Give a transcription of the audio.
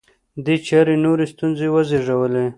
دې چارې نورې ستونزې وزېږولې